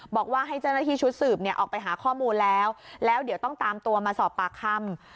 บอกว่าให้เจ้าหน้าที่ชุดสืบเนี่ยออกไปหาข้อมูลแล้วแล้วเดี๋ยวต้องตามตัวมาสอบปากคำ